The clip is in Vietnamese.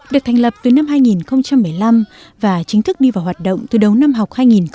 được thành lập từ năm hai nghìn một mươi năm và chính thức đi vào hoạt động từ đầu năm học hai nghìn một mươi chín hai nghìn một mươi tám